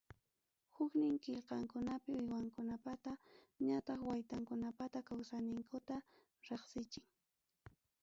Huknin qillqankunapi uywakunapata ñataq waytakunapata kawsanninkuta riqsichin.